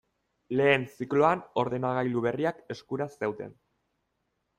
Lehen zikloan ordenagailu berriak eskura zeuden.